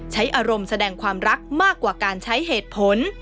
ใช้อารมณ์แสดงความรักมากกว่าการใช้เหตุผล